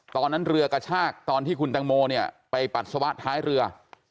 เรือกระชากตอนที่คุณตังโมเนี่ยไปปัสสาวะท้ายเรือ